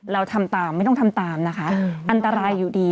เราทำตามไม่ต้องทำตามนะคะอันตรายอยู่ดี